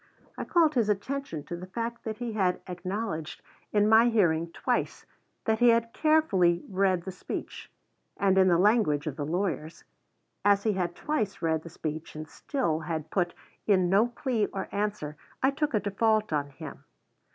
I called his attention to the fact that he had acknowledged in my hearing twice that he had carefully read the speech; and, in the language of the lawyers, as he had twice read the speech and still had put in no plea or answer, I took a default on him.